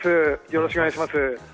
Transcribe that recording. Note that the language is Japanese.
よろしくお願いします。